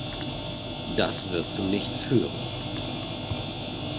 Das wird zu nichts führen.